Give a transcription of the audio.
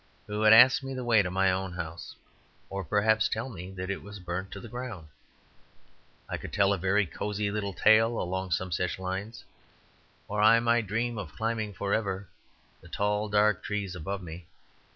who would ask me the way to my own house. Or perhaps tell me that it was burnt to the ground. I could tell a very cosy little tale along some such lines. Or I might dream of climbing for ever the tall dark trees above me.